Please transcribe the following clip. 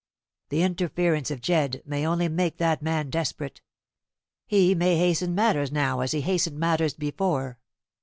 "The interference of Jedd may only make that man desperate. He may hasten matters now as he hastened matters before.